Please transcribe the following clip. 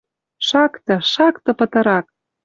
Шакты, шакты пытырак!